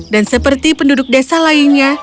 dan seperti penduduk desa lainnya